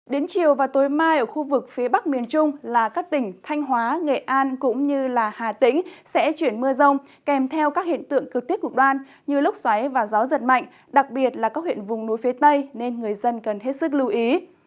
đến chiều và tối mai ở khu vực phía bắc miền trung là các tỉnh thanh hóa nghệ an cũng như hà tĩnh sẽ chuyển mưa rông kèm theo các hiện tượng cực tiết cực đoan như lốc xoáy và gió giật mạnh đặc biệt là các huyện vùng núi phía tây nên người dân cần hết sức lưu ý